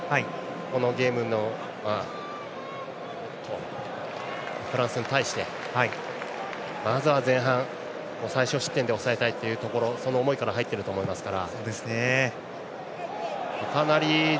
このゲーム、フランスに対してまずは前半最少失点で抑えたいところその思いから入っていると思いますから。